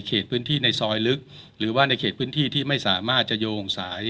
พื้นที่ในซอยลึกหรือว่าในเขตพื้นที่ที่ไม่สามารถจะโยงสาย